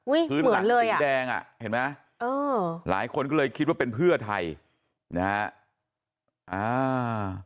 เหมือนเลยอ่ะแดงอ่ะเห็นไหมเออหลายคนก็เลยคิดว่าเป็นเพื่อไทยนะฮะอ่า